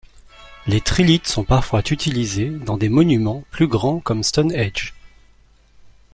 Les trilithes sont parfois utilisés dans des monuments plus grands comme Stonehenge.